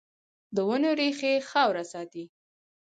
د ونو ریښې خاوره ساتي